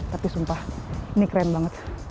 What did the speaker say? tapi sumpah ini keren banget